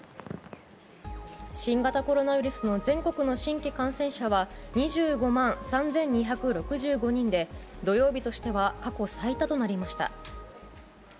新型コロナウイルスの全国の新規感染者は、２５万３２６５人で、土曜日としては過去最多となりました。